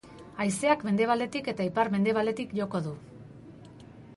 Haizeak mendebaldetik eta ipar-mendebaldetik joko du.